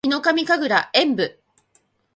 ヒノカミ神楽炎舞（ひのかみかぐらえんぶ）